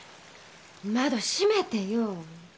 窓閉めてよ！